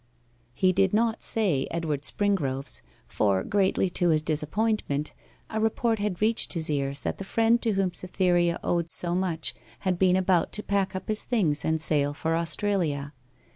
He did not say Edward Springrove's, for, greatly to his disappointment, a report had reached his ears that the friend to whom Cytherea owed so much had been about to pack up his things and sail for Australia.